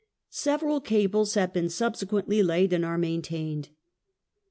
Several cables have been subsequently laid, and are maintained.